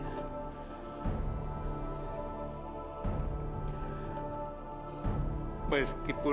saya sudah mencari kemampuan